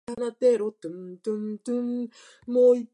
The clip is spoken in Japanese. マサダ国立公園はイスラエルの文化遺産である。